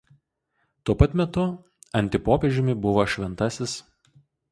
Tuo pat metu antipopiežiumi buvo šv.